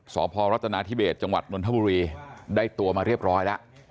สพรัฐนาธิเบสจังหวัดนทบุรีได้ตัวมาเรียบร้อยแล้ว